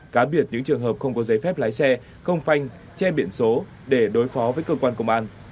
cá biệt những trường hợp không có giấy phép lái xe không phanh che biển số để đối phó với cơ quan công an